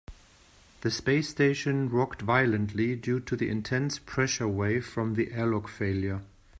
The space station rocked violently due to the intense pressure wave from the airlock failure.